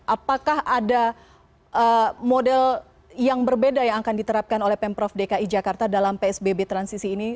apakah ada model yang berbeda yang akan diterapkan oleh pemprov dki jakarta dalam psbb transisi ini